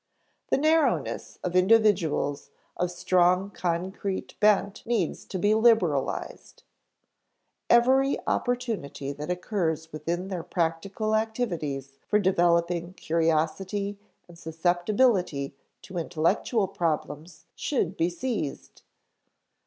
The narrowness of individuals of strong concrete bent needs to be liberalized. Every opportunity that occurs within their practical activities for developing curiosity and susceptibility to intellectual problems should be seized.